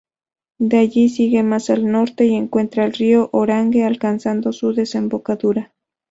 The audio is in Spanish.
De allí sigue más al norte y encuentra el río Orange, alcanzando su desembocadura.